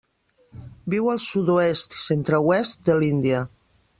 Viu al sud-oest i centre-oest de l'Índia.